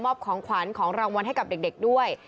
ของขวัญของรางวัลให้กับเด็กด้วย